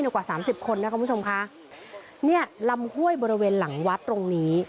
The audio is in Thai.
ในกว่า๓๐คนนะคะคุณผู้ชมค่ะนี่ลำห้วยบริเวณหลังวัดตรงนี้